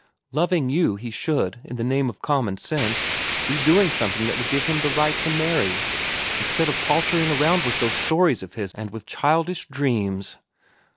Loving you, he should, in the name of common sense, be doing something that would give him the right to marry, instead of paltering around with those stories of his and with childish dreams.